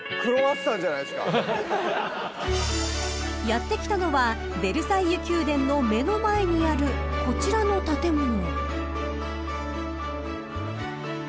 ［やって来たのはヴェルサイユ宮殿の目の前にあるこちらの建物］